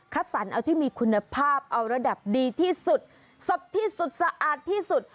สรรเอาที่มีคุณภาพเอาระดับดีที่สุดสดที่สุดสะอาดที่สุด